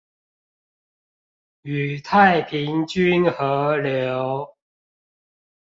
與太平軍合流